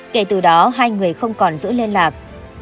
kể từ đó hai người không còn giữ liên lạc